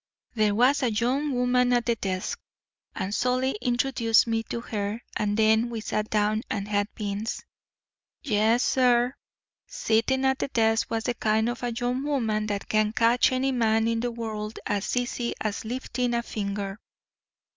"There was a young woman at the desk, and Solly introduced me to her. And then we sat down and had beans. "Yes, sir, sitting at the desk was the kind of a young woman that can catch any man in the world as easy as lifting a finger.